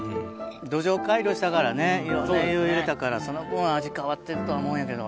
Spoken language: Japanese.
土壌改良したからねいろんな栄養入れたからその分味変わってるとは思うんやけど。